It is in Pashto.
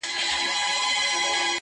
بيا کرار ،کرار د بت و خواته گوري_